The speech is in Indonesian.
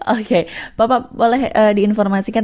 oke bapak boleh diinformasikan